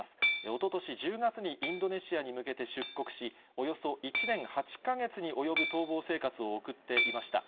おととし１０月にインドネシアに向けて出国し、およそ１年８か月に及ぶ逃亡生活を送っていました。